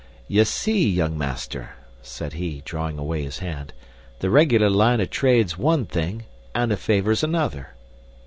"Ye see, young master," said he, drawing away his hand, "the regular line o' trade's ONE thing, and a favor's another."